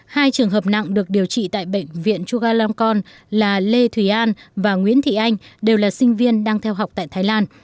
hai trường hợp nặng được điều trị tại bệnh viện chugalongkorn là lê thùy an và nguyễn thị anh đều là sinh viên đang theo học tại thái lan